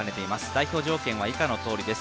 代表条件は以下のとおりです。